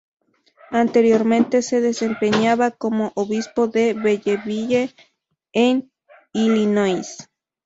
Anteriormente se desempeñaba como Obispo de Belleville en Illinois.